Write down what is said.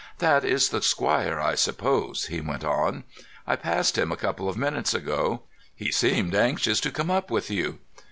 "That is the squire, I suppose," he went on. "I passed him a couple of minutes ago. He seemed anxious to come up with you."